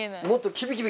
キビキビ！